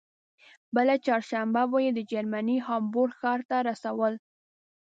بله چهارشنبه به یې د جرمني هامبورګ ښار ته رسول.